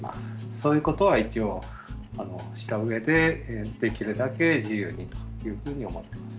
そういうことは一応した上でできるだけ自由にというふうに思ってます。